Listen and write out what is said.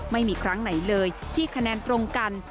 ไม่มีครั้งไหนเลยที่คะแนนตรงกัน